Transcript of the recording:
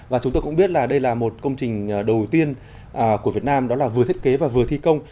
và chúng tôi cũng biết là đây là một công trình đầu tiên của việt nam đó là vừa thiết kế và vừa thi công